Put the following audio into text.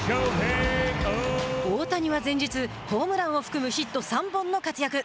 大谷は前日ホームランを含むヒット３本の活躍。